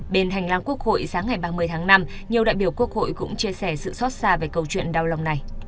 bên hành lang quốc hội sáng ngày ba mươi tháng năm nhiều đại biểu quốc hội cũng chia sẻ sự xót xa về câu chuyện đau lòng này